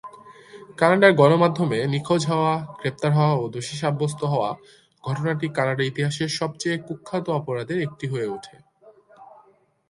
কানাডার গণমাধ্যমে নিখোঁজ হওয়া, গ্রেপ্তার হওয়া ও দোষী সাব্যস্ত হওয়া ঘটনাটি কানাডার ইতিহাসের সবচেয়ে কুখ্যাত অপরাধের একটি হয়ে ওঠে।